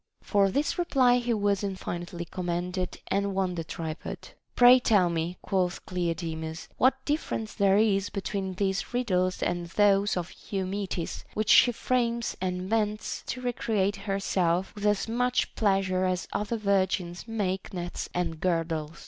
For this reply he was infinitely commended and won the tripod. Pray tell me, quoth Cleodemus, what difference there is between these riddles and those of Eumetis, which she frames and invents to recreate herself with as much pleasure as other virgins make nets and girdles